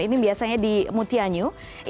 ini biasanya di mutianyu